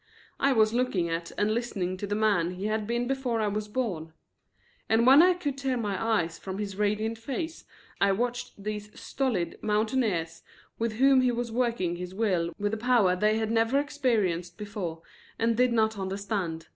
I was looking at and listening to the man he had been before I was born. And when I could tear my eyes from his radiant face I watched these stolid mountaineers with whom he was working his will with a power they had never experienced before and did not understand.